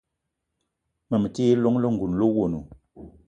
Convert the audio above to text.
Ma me ti yi llong lengouna le owono.